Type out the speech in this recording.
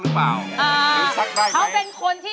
ร้องได้ให้ร้อง